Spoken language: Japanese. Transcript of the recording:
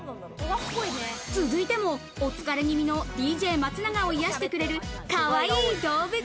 続いてもお疲れ気味のＤＪ松永を癒してくれるかわいい動物。